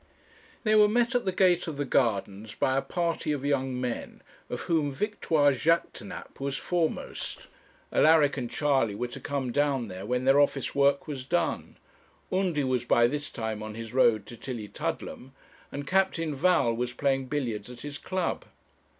They were met at the gate of the Gardens by a party of young men, of whom Victoire Jaquêtanàpe was foremost. Alaric and Charley were to come down there when their office work was done. Undy was by this time on his road to Tillietudlem; and Captain Val was playing billiards at his club.